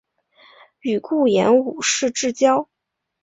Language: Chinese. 与顾炎武是至交。